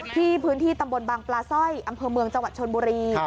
พื้นที่ตำบลบางปลาสร้อยอำเภอเมืองจังหวัดชนบุรี